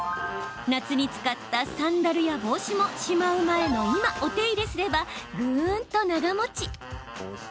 夏に使った、サンダルや帽子もしまう前の今、お手入れすればぐーんと長もち。